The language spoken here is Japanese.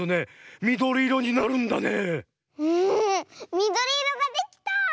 みどりいろができた！